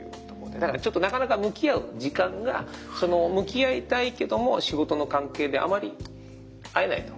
だからちょっとなかなか向き合う時間が向き合いたいけども仕事の関係であまり会えないと。